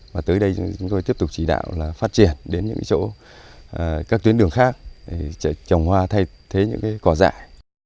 và tới đây chúng tôi tiếp tục chỉ đạo là phát triển đến những chỗ các tuyến đường khác trồng hoa thay thế những cái cỏ dại